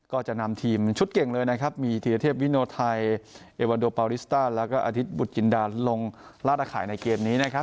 ก็จะนำทีมชุดเก่งเลยนะครับมีธีรเทพวิโนไทยเอวันโดปาริสต้าแล้วก็อาทิตยบุตรจินดาลงลาดอาข่ายในเกมนี้นะครับ